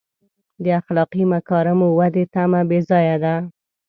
د اخلاقي مکارمو ودې تمه بې ځایه ده.